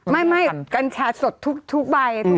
ไม่กัญชาสดทุกใบทุกอย่างนะครับ